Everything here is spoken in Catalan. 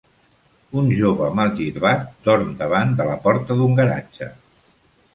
Un jove malgirbat dorm davant de la porta d'un garatge